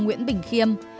nguyễn bình khiêm